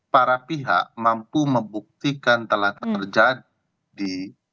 para pihak mampu membuktikan telah terjadi di